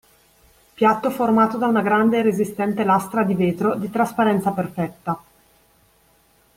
Piatto formato da una grande e resistente lastra di vetro di trasparenza perfetta.